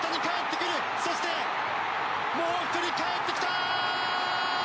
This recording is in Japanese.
そして、もう１人かえってきた！